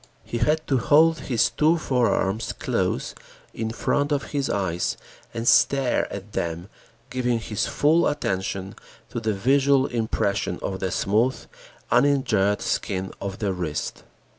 He had to hold his two forearms close in front of his eyes and stare at them, giving his full attention to the visual impression of the smooth, uninjured skin of the wrist.